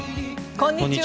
こんにちは。